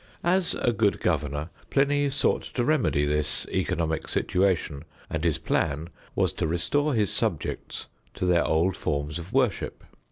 As a good governor, Pliny sought to remedy this economic situation, and his plan was to restore his subjects to their old forms of worship.